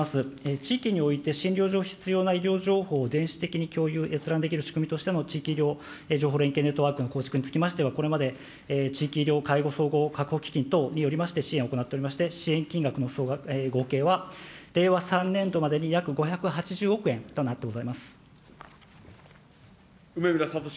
地域において、診療所の医療情報を電子的に共有、閲覧できる仕組みとしての地域医療産業連携ネットワークの構築につきましては、これまで地域医療介護総合確保基金等におきまして、支援を行っておりまして、支援金額のは、令和３年度までに約５８０億円となってございま梅村聡